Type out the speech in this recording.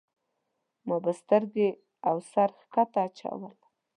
ما به سترګې او سر ښکته اچول.